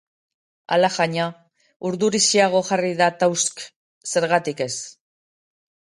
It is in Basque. Alajaina, urdurixeago jarri da Tausk, zergatik ez.